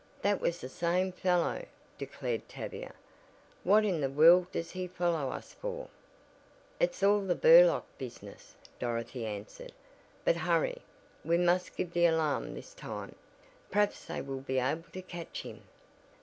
"That was the same fellow," declared Tavia. "What in the world does he follow us for?" "It's all the Burlock business," Dorothy answered. "But hurry, we must give the alarm this time. Perhaps they will be able to catch him."